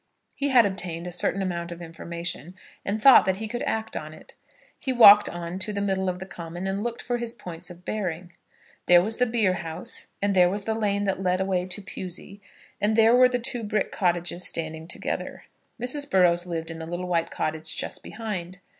He had obtained a certain amount of information, and thought that he could act on it. He walked on to the middle of the common, and looked for his points of bearing. There was the beer house, and there was the lane that led away to Pewsey, and there were the two brick cottages standing together. Mrs. Burrows lived in the little white cottage just behind.